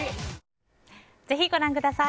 ぜひ、ご覧ください。